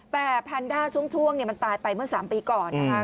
แต่แพนด้าช่วงมันตายไปเมื่อ๓ปีก่อนนะคะ